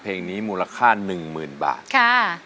เพลงนี้มูลค่าหนึ่งหมื่นบาทค่ะ